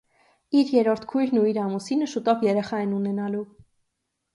Իսկ երրորդ քույրն ու իր ամուսինը շուտով երեխա են ունենալու։